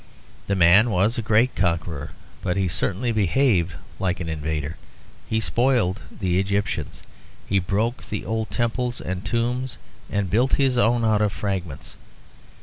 The man was a great conqueror, but he certainly behaved like an invader; he spoiled the Egyptians. He broke the old temples and tombs and built his own out of fragments.